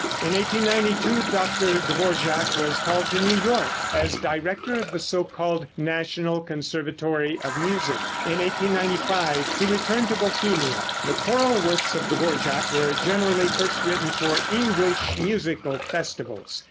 In 1892 Dr. Dvorak was called to New York as director of the so called National Conservatory of Music. In 1895 he returned to Bohemia. The choral works of Dvorak were generally first written for English musical festivals.